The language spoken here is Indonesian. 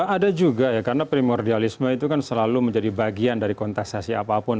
ada juga ya karena primordialisme itu kan selalu menjadi bagian dari kontestasi apapun